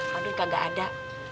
bang kardun kagak ada